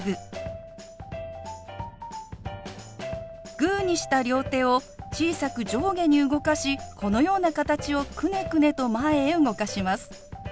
グーにした両手を小さく上下に動かしこのような形をくねくねと前へ動かします。